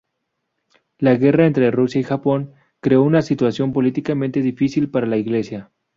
La guerra entre Rusia y Japón creó una situación políticamente difícil para la iglesia.